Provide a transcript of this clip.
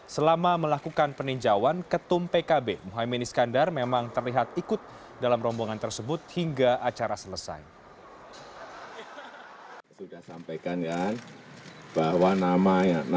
selama melakukan peninjauan ketum pkb muhaymin iskandar memang terlihat ikut dalam rombongan tersebut hingga acara selesai